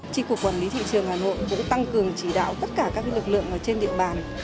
trị cục quản lý thị trường hà nội cũng tăng cường chỉ đạo tất cả các lực lượng ở trên địa bàn